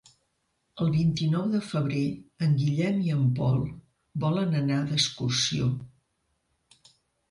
El vint-i-nou de febrer en Guillem i en Pol volen anar d'excursió.